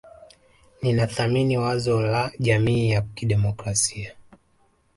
Ninathamini wazo la jamii ya kidemokrasia